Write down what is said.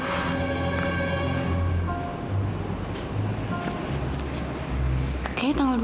tengok yang ini kan tersulit